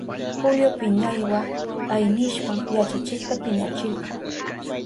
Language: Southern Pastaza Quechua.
Julio piñaywa aynishpan yachachikta piñachirka.